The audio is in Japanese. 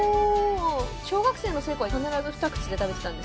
小学生の聖子は必ず二口で食べてたんです。